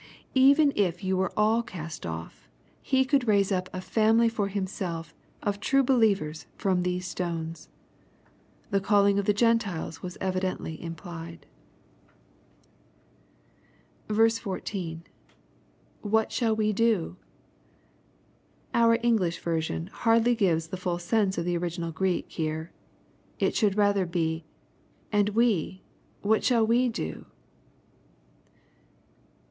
Even if you were all cast off, He could raise up a family for J9tm« 9e^ of true believers from these stones." The calUng of the Gen tiles was evidently implied. 14. — [wluit shall we do f] Our English version hardly gives the full sense of the original Greek here. It should rather be, " and we, what shall we do